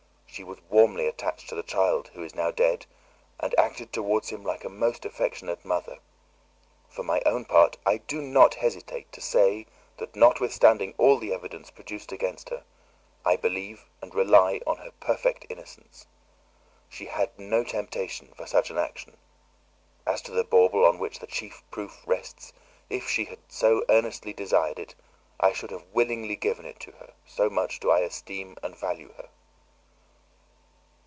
She was warmly attached to the child who is now dead and acted towards him like a most affectionate mother. For my own part, I do not hesitate to say that, notwithstanding all the evidence produced against her, I believe and rely on her perfect innocence. She had no temptation for such an action; as to the bauble on which the chief proof rests, if she had earnestly desired it, I should have willingly given it to her, so much do I esteem and value her."